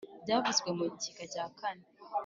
byavuzwe mu gika cya kane.